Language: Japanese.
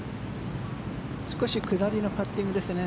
少し下りのパッティングですね。